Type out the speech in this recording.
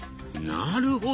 なるほど。